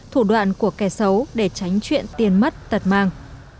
thủ đoạn của kẻ xấu để tránh chuyện tiền mất tật mang